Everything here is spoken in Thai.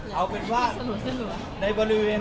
เชื่อใจอ่อนบอกไหม